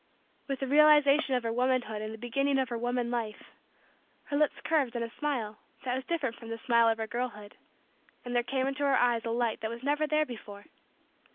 With the realization of her womanhood and the beginning of her woman life, her lips curved in a smile that was different from the smile of girlhood and there came into her eyes a light that was never there before.